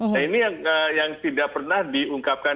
nah ini yang tidak pernah diungkapkan